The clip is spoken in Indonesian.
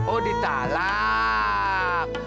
oh di talang